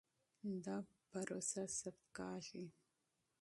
دا پروسه ثبت کېږي.